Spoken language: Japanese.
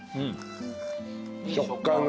食感がね。